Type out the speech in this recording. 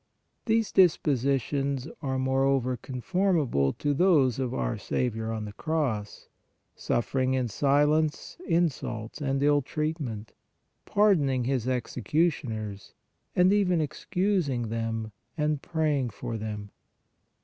These dispositions are, moreover, con formable to those of our Saviour on the cross, suf fering in silence insults and ill treatment, pardoning His executioners, and even excusing them and praying for them.